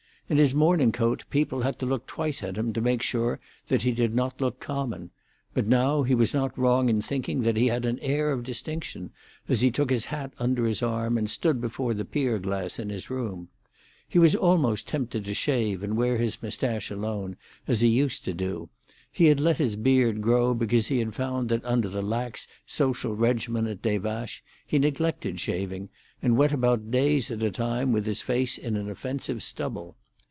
In his morning coat, people had to look twice at him to make sure that he did not look common; but now he was not wrong in thinking that he had an air of distinction, as he took his hat under his arm and stood before the pier glass in his room. He was almost tempted to shave, and wear his moustache alone, as he used to do: he had let his beard grow because he found that under the lax social regimen at Des Vaches he neglected shaving, and went about days at a time with his face in an offensive stubble.